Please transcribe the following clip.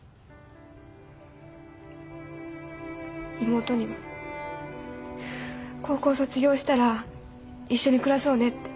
妹には高校卒業したら一緒に暮らそうねって。